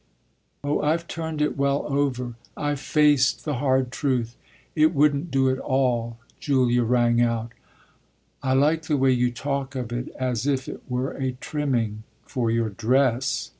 "Oh I've turned it well over. I've faced the hard truth. It wouldn't do at all!" Julia rang out. "I like the way you talk of it as if it were a trimming for your dress!"